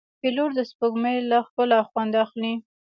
پیلوټ د سپوږمۍ له ښکلا خوند اخلي.